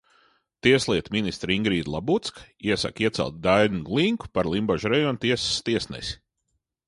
Tieslietu ministre Ingrīda Labucka iesaka iecelt Dainu Glinku par Limbažu rajona tiesas tiesnesi.